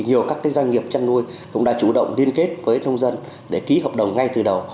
nhiều các doanh nghiệp chăn nuôi cũng đã chủ động liên kết với nông dân để ký hợp đồng ngay từ đầu